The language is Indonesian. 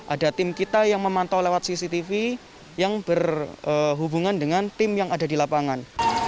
ada tim kita yang memantau lewat cctv yang berhubungan dengan tim yang ada di lapangan